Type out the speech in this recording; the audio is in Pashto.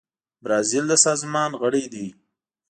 برازیل د سازمان غړی دی.